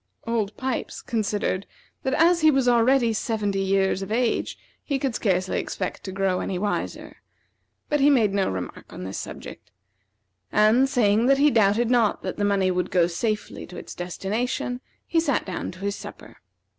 Old Pipes considered that as he was already seventy years of age he could scarcely expect to grow any wiser, but he made no remark on this subject; and, saying that he doubted not that the money would go safely to its destination, he sat down to his supper.